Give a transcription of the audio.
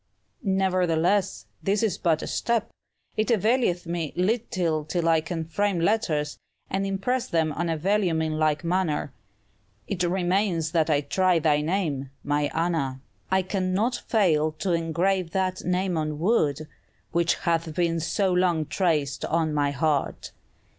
"Nevertheless, this is but a step; it availeth me little till I can frame letters, and impress them on vellum in like manner. It remains that I try thy name, my Anna. I cannot fail to engrave that name on wood, which hath been so long traced on my heart!"